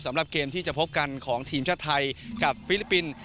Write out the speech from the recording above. สำหรับเกมที่จะพบกันของทีมชาติไทยกับฟิลิปปินส์